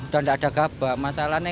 dan enggak ada gabah